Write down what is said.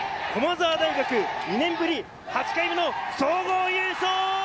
駒澤大学、２年ぶり８回目の総合優勝。